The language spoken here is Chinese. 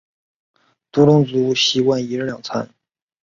独龙族习惯一日两餐。